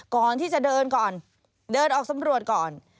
ก่อนที่จะเดินก่อนเดินออกสำรวจก่อน